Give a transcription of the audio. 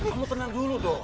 kamu tenang dulu dong